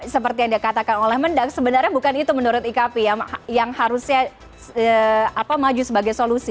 seperti yang dikatakan oleh mendak sebenarnya bukan itu menurut ikp yang harusnya maju sebagai solusi